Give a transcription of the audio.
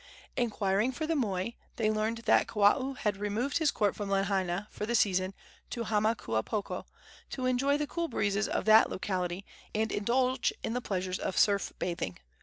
Inquiring for the moi, they learned that Kawao had removed his court from Lahaina, for the season, to Hamakuapoko, to enjoy the cool breezes of that locality and indulge in the pleasures of surf bathing.